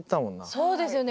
そうですよね。